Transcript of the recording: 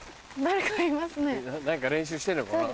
何か練習してんのかな？